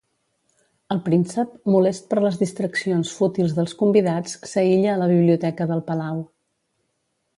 El príncep, molest per les distraccions fútils dels convidats, s'aïlla a la biblioteca del palau.